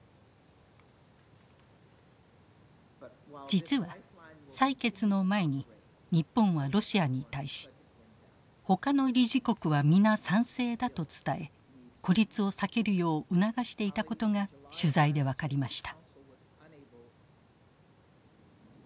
実は採決の前に日本はロシアに対し「他の理事国はみな賛成だ」と伝え孤立を避けるよう促していたことが取材で分かりました。